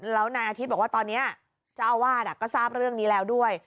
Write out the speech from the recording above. แล้วนายอาทิตย์บอกว่าตอนนี้เจ้าอาวาสก็ทราบเรื่องนี้แล้วด้วย